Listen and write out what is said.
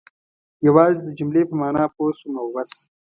یوازې د جملې په معنا پوه شوم او بس.